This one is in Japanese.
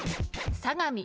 相模。